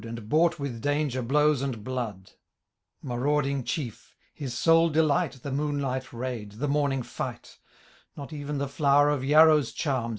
And bought with danger, blows, and bloods Marauding chief ! his sole delight The moonh'ght raid, the morning fight ; Not even the flower of Yarrow's charms.